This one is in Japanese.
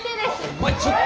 お前ちょっ。